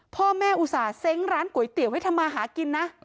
พ่อแม่อุตส่าห์ร้านก๋วยเตี๋ยวไว้ทำมาหากินนะ